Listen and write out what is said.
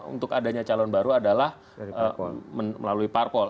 untuk adanya calon baru adalah melalui parpol